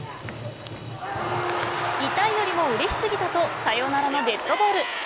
痛いよりもうれしすぎたとサヨナラのデッドボール。